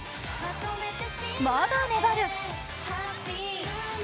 まだ粘る！